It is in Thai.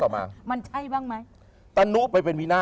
มันใช่บ้างไหม